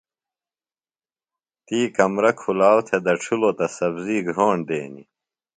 تی کمرہ کُھلاؤ تھےۡ دڇِھلوۡ تہ سبزی گھرونڈ دینیۡ۔